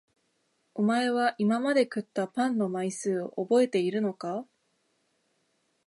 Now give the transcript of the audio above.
おまえは今まで食ったパンの枚数をおぼえているのか？